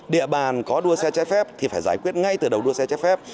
địa bàn có đua xe trái phép thì phải giải quyết ngay từ đầu đua xe trái phép